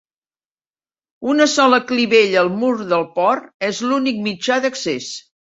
Una sola clivella al mur del port és l'únic mitjà d'accés.